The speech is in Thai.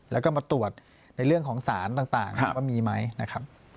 แล้วก็มาตรวจในเรื่องของสารต่างว่ามีไหมนะครับ